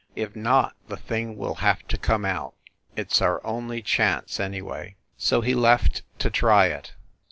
If not, the thing will have to come out. It s our only chance, anyway." So he left to try it.